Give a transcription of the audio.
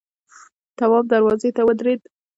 تواب دروازې ته ودرېد.